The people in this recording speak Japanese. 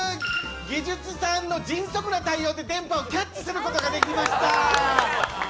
技術さんの迅速な対応で電波をキャッチすることができました。